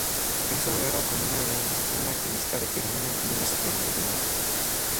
Es honrada como una reina, una activista veterana y una superviviente.